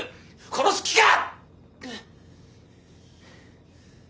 殺す気か！